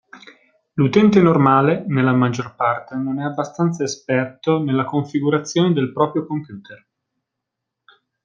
L'utente normale nella maggior parte non è abbastanza esperto nella configurazione del proprio computer.